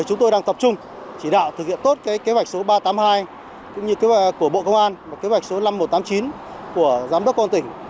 chúng tôi đang tập trung chỉ đạo thực hiện tốt kế hoạch số ba trăm tám mươi hai cũng như kế hoạch của bộ công an và kế hoạch số năm nghìn một trăm tám mươi chín của giám đốc công an tỉnh